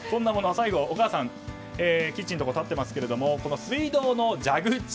最後はお母さんキッチンに立っていますが水道の蛇口。